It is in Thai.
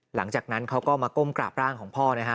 หลังจากนั้นเขาก็มาก้มกราบร่างของพ่อนะฮะ